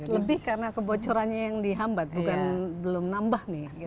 lebih karena kebocorannya yang dihambat bukan belum nambah nih